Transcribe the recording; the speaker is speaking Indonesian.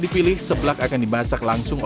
piritan ciri khas